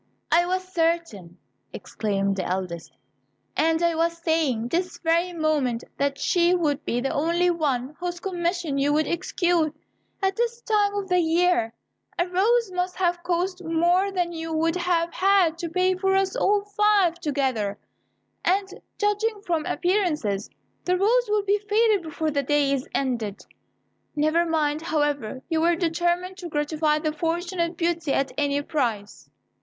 "I was certain," exclaimed the eldest, "and I was saying, this very moment, that she would be the only one whose commission you would execute. At this time of the year, a rose must have cost more than you would have had to pay for us all five together; and, judging from appearances, the rose will be faded before the day is ended: never mind, however, you were determined to gratify the fortunate Beauty at any price."